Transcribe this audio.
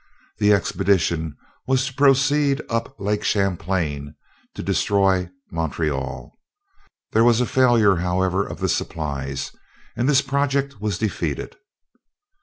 The expedition was to proceed up Lake Champlain to destroy Montreal. There was a failure, however, of the supplies, and this project was defeated.